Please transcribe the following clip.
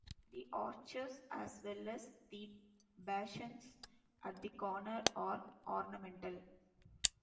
The arches as well as the bastions at the corner are ornamental.